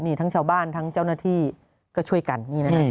นี่ทั้งชาวบ้านทั้งเจ้าหน้าที่ก็ช่วยกันนี่นะฮะ